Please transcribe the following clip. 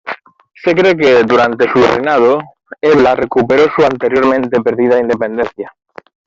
Se cree que, durante su reinado, Ebla recuperó su anteriormente perdida independencia.